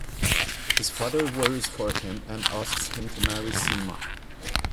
His father worries for him and asks him to marry Seema.